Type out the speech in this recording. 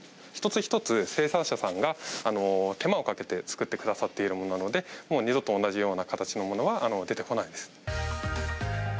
一つ一つ、生産者さんが手間をかけて作ってくださっているものなので、もう二度と同じような形のものは出てこないです。